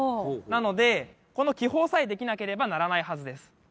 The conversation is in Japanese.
なのでこの気泡さえできなければ鳴らないはずです。